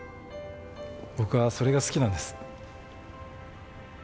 僕はそれが好きなんです。